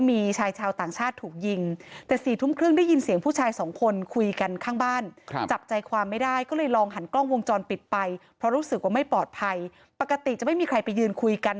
มีชายชาวต่างชาติถูกยิงแต่๔ทุ่มครึ่งได้ยินเสียงผู้ชายสองคนคุยกันข้างบ้านจับใจความไม่ได้ก็เลยลองหันกล้องวงจรปิดไปเพราะรู้สึกว่าไม่ปลอดภัยปกติจะไม่มีใครไปยืนคุยกัน